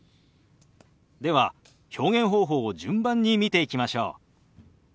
では表現方法を順番に見ていきましょう。